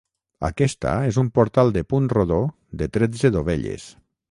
Aquesta és un portal de punt rodó, de tretze dovelles.